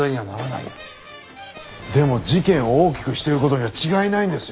でも事件を大きくしている事には違いないんですよ。